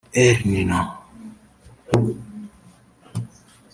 El Nino